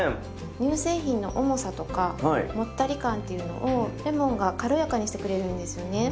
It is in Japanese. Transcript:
乳製品の重さとかもったり感っていうのをレモンが軽やかにしてくれるんですよね。